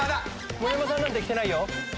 盛山さんなんて来てないよ。